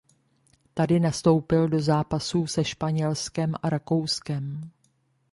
Tady nastoupil do zápasů se Španělskem a Rakouskem.